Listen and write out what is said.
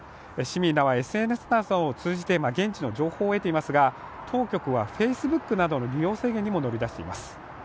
市民らはＳＮＳなどを通じてウクライナの情報を得ていますが当局はＦａｃｅｂｏｏｋなどの利用制限にも乗り出しています。